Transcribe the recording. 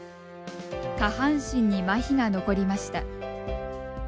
下半身に、まひが残りました。